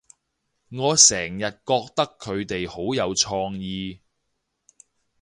我成日覺得佢哋好有創意